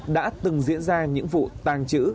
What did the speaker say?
đã từng diễn ra những vụ tàng trữ